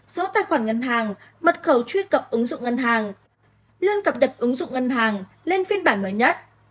số tài khoản ngân hàng mật khẩu truy cập ứng dụng ngân hàng luôn cập nhật ứng dụng ngân hàng lên phiên bản mới nhất